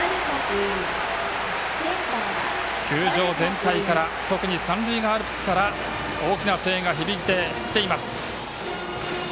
球場全体から特に三塁側アルプスから大きな声援が響いてきています。